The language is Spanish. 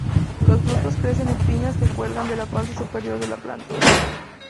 Los frutos crecen en piñas que cuelgan de la parte superior de la planta.